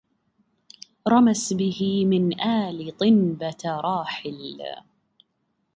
رمس به من آل طنبة راحل